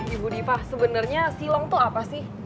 ibu diva sebenarnya silong itu apa sih